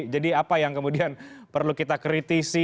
jadi apa yang kemudian perlu kita kritisi